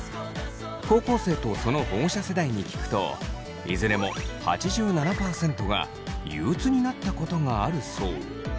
高校生とその保護者世代に聞くといずれも８７％が憂鬱になったことがあるそう。